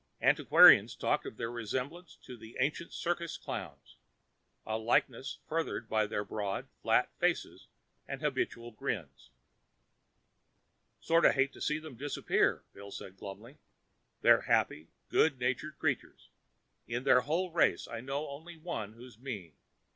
Antiquarians talked of their resemblance to the ancient circus clowns, a likeness furthered by their broad, flat faces and habitual grins. "Sort of hate to see them disappear," Bill said glumly. "They're happy, good natured creatures. In their whole race, I know only one who's mean.